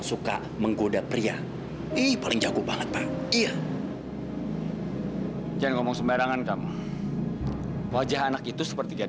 sampai jumpa di video selanjutnya